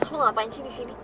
lo ngapain sih disini